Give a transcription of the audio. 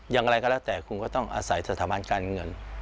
อย่างไรก็แล้วแต่คุณก็ต้องอาศัยสถาบันการเงิน